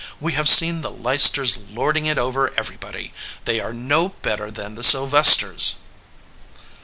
We have seen the Leicesters lording it over everybody. They are no better than the Sylvesters."